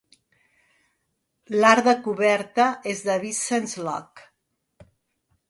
L'art de coberta és de Vincent Locke.